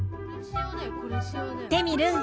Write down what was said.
テミルン